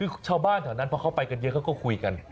คือชาวบ้านแถวนั้นพอเขาไปกันเยอะเขาก็คุยกัน